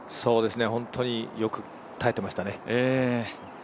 本当によく耐えていましたね。